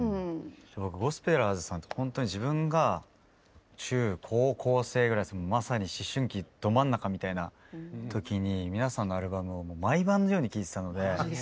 ゴスペラーズさんって自分が中・高校生ぐらいまさに思春期ど真ん中みたいな時に皆さんのアルバムを毎晩のように聴いてたので。